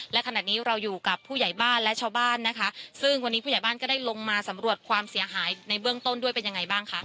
และขณะนี้เราอยู่กับผู้ใหญ่บ้านและชาวบ้านนะคะซึ่งวันนี้ผู้ใหญ่บ้านก็ได้ลงมาสำรวจความเสียหายในเบื้องต้นด้วยเป็นยังไงบ้างคะ